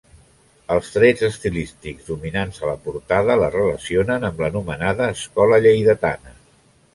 Els trets estilístics dominants a la portada la relacionen amb l'anomenada escola lleidatana.